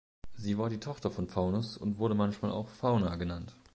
Sie war die Tochter von Faunus und wurde manchmal auch "Fauna" genannt.